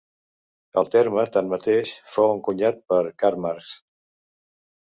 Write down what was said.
El terme, tanmateix, fou encunyat per Karl Marx.